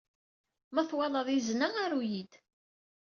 Ma twalad izen-a, aru-iyi-d.